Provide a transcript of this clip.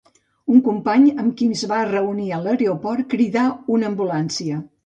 Un company amb qui es va reunir a l'aeroport cridà una ambulància.